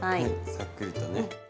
さっくりとね。